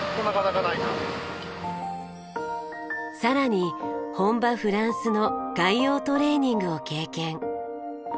さらに本場フランスの外洋トレーニングを経験。